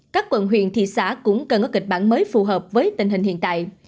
các quận huyện thị xã cũng cần có kịch bản mới phù hợp với tình hình hiện tại